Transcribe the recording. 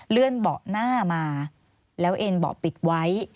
เลื่อนเบาะหน้ามาแล้วเอ็นเบาะปิดไว้